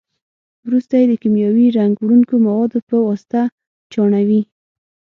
وروسته یې د کیمیاوي رنګ وړونکو موادو په واسطه چاڼوي.